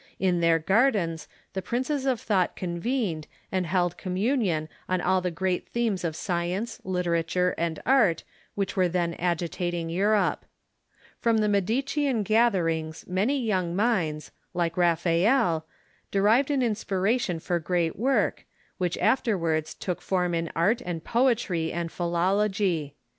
In their gardens the princes of tliought convened, and held communion on all the great themes of science, literature, and art which were then agitating Europe. From the Medicean gatherings many young minds, like Raphael, derived an inspiration for great work, which afterwards took form in art and poetry and philology.